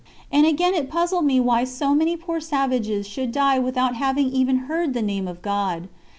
And again it puzzled me why so many poor savages should die without having even heard the name of God.